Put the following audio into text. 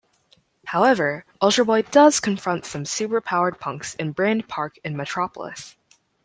However, Ultra Boy does confront some super-powered punks in Brande Park in Metropolis.